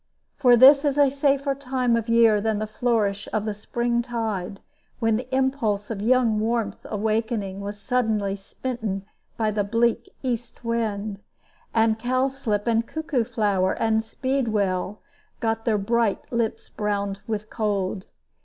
For this is a safer time of year than the flourish of the spring tide, when the impulse of young warmth awaking was suddenly smitten by the bleak east wind, and cowslip and cuckoo flower and speedwell got their bright lips browned with cold.